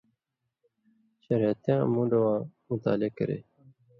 شریعتیاں مُون٘ڈہۡ واں مطالعہ کرے